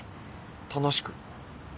楽しく？